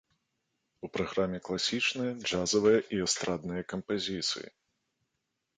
У праграме класічныя, джазавыя і эстрадныя кампазіцыі.